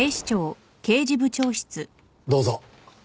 どうぞ。